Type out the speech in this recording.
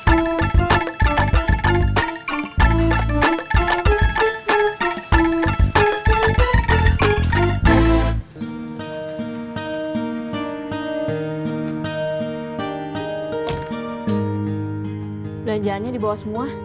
udah jalan dibawa semua